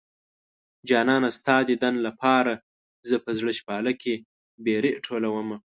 جانانه ستا ديدن لپاره زه په زړه شپاله کې بېرې ټولومه